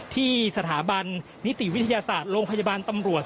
ที่สถาบันนิติวิทยาศาสตร์โรงพยาบาลตำรวจ